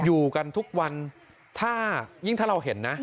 อยู่กันทุกวันถ้ายิ่งถ้าเราเห็นนะ